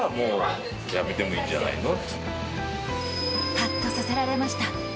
はっとさせられました。